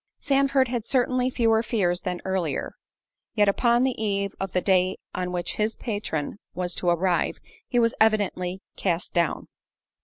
Sandford, had certainly fewer fears than either; yet upon the eve of the day on which his patron was to arrive, he was evidently cast down.